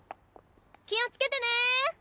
気をつけてね。